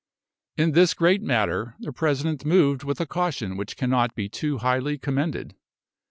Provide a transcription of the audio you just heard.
In this great matter, the President moved with a caution which cannot be too highly commended.